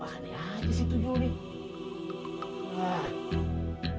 bahannya aja sih itu nih